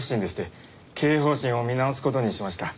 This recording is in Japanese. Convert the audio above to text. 経営方針を見直す事にしました。